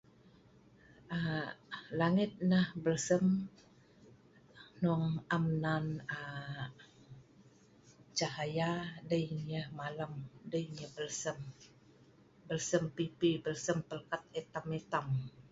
um langet neh belsem, hnung am nan um cahaya dei nyeh ma’lem. Dei nyeh belsem , belsem pipi. belsem pelpet hitam-hitam